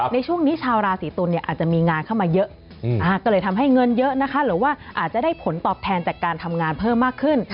ในช่วงนี้ชาวราศีตุลเนี่ยอาจจะมีงานเข้ามาเยอะก็เลยทำให้เงินเยอะนะคะหรือว่าอาจจะได้ผลตอบแทนจากการทำงานเพิ่มมากขึ้น